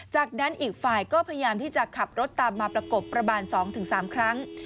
จากนั้นอีกฝ่ายก็พยายามที่จะขับรถตามมาประกบประมาณ๒๓ครั้ง